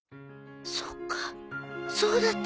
そうかそうだったのか。